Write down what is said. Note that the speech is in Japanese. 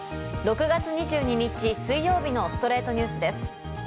６月２２日、水曜日の『ストレイトニュース』です。